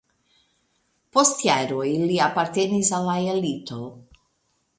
Post jaroj li apartenis al la elito.